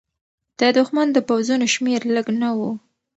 د دښمن د پوځونو شمېر لږ نه و.